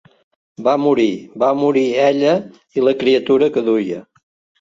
-Va morir. Va morir ella…i la criatura que duia.